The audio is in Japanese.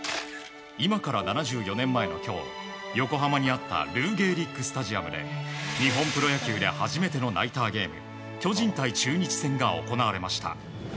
今から７４年前の今日横浜にあったルー・ゲリックスタジアムで日本プロ野球で初めてのナイトゲーム巨人対中日戦が行われました。